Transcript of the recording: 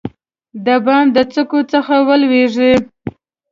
د بام د څوکو څخه والوزي،